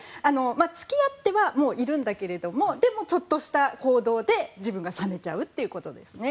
付き合ってはいるんだけれどもちょっとした行動で自分が冷めちゃうということです。